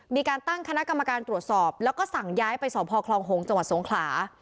มีการตั้งคณะกรรมการตรวจสอบแล้วก็สั่งย้ายไปสพคลองโหงจศงขลา